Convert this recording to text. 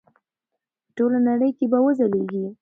په ټوله نړۍ کې به وځلیږي.